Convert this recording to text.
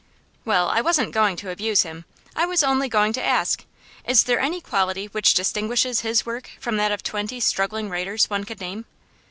'Well, I wasn't going to abuse him. I was only going to ask: Is there any quality which distinguishes his work from that of twenty struggling writers one could name?